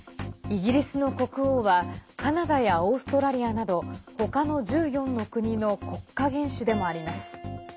イギリスの国王はカナダやオーストラリアなど他の１４の国の国家元首でもあります。